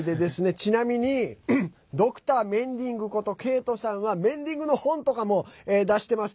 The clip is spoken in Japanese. ちなみにドクターメンディングことケイトさんはメンディングの本とかも出してます。